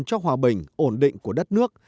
cho hòa bình ổn định của đất nước